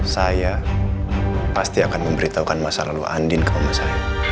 saya pasti akan memberitahukan masa lalu andin ke mamanya